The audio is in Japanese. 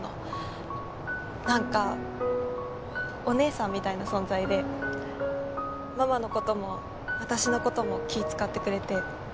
なんかお姉さんみたいな存在でママの事も私の事も気ぃ使ってくれて。